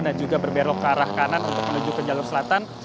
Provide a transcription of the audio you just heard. dan juga berberok ke arah kanan untuk menuju ke jalur selatan